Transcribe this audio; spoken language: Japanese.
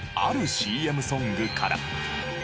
ＣＭソングから。